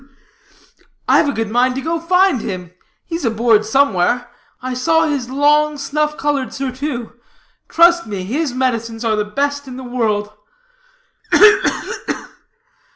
"Ugh, ugh, ugh!" "I've a good mind to go find him. He's aboard somewhere. I saw his long, snuff colored surtout. Trust me, his medicines are the best in the world."